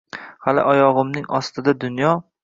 Hali oyog’imning ostida dunyo